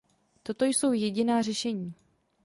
Toto jsou jediná řešení.